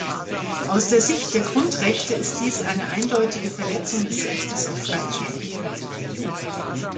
Aus der Sicht der Grundrechte ist dies eine eindeutige Verletzung des Rechtes auf Freizügigkeit.